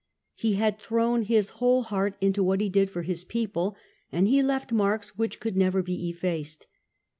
He had thrown his whole heart into what he did for his people, and he left marks which could never be effaced.